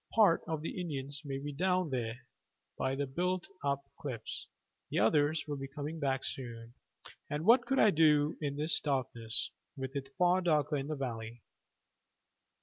"Part of the Indians may be down there by the built up cliffs; the others will be coming back soon; and what could I do in this darkness, with it far darker in the valley?